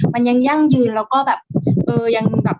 มันยังย่างยืนเราก็ยังแบบ